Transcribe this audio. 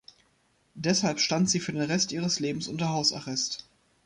Deshalb stand sie für den Rest ihres Lebens unter Hausarrest.